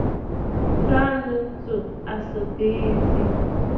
Kaa ŋù tsù à sɨ mbìì zî.